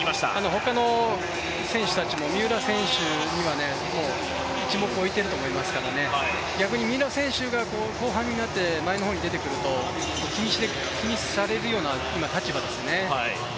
他の選手たちも三浦選手には一目置いていると思いますから逆に三浦選手が後半になって前の方に出てくると気にされるような今、立場ですね。